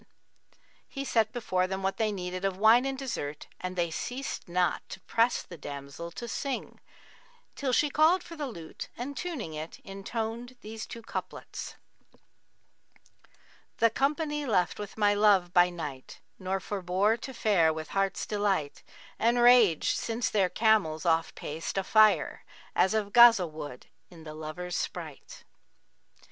[FN#43] He set before them what they needed of wine and dessert, and they ceased not to press the damsel to sing, till she called for the lute and tuning it, intoned these two couplets, 'The company left with my love by night, * Nor forbore to fare with heart's delight: And raged, since their camels off paced, a fire * As of Ghazб[FN#44] wood in the lover's sprite.'